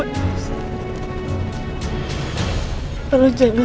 dan mengambil sebuah putusan mas